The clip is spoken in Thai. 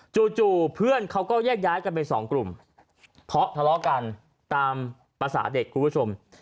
จู่เพื่อนเขาก็แยกย้ายกันไปสองกลุ่มเพราะทะเลาะกันตามภาษาเด็กคุณผู้ชม